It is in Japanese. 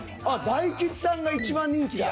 大吉さんが一番人気だ。